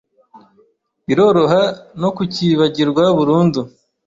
biroroha no kukibagirwa burundu